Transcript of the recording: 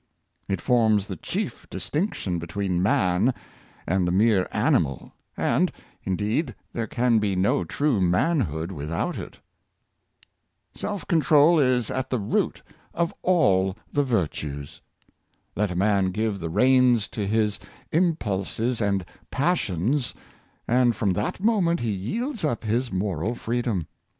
It forms the chief dis tinction between man and the mere animal; and, in deed, there can be no true manhood without it. Self control is at the root of all the virtues. Let a man give the reins to his impulses and passions, and from that moment he yields up his, moral freedom.